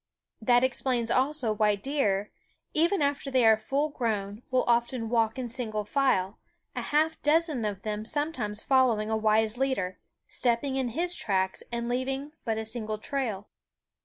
That explains also why deer, even after they are full grown, will often walk in single file, a half dozen of them sometimes following a wise leader, stepping in his tracks and leaving but a single trail.